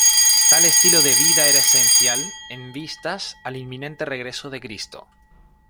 Tal estilo de vida era esencial en vistas al inminente regreso de Cristo.